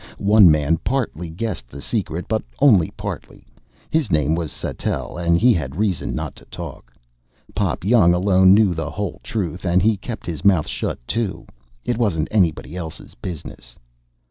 One man partly guessed the secret, but only partly. His name was Sattell and he had reason not to talk. Pop Young alone knew the whole truth, and he kept his mouth shut, too. It wasn't anybody else's business.